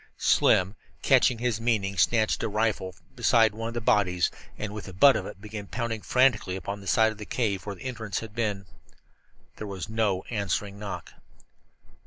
Slim, catching his meaning, snatched a rifle from beside one of the bodies, and with the butt of it began pounding frantically upon the side of the cave where the entrance had been. There was no answering knock.